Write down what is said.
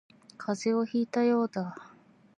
風邪をひいたようだ